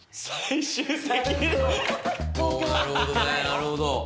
なるほどね。